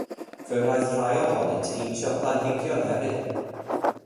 Fe wnaeth rhai ohonynt heintio planhigion hefyd.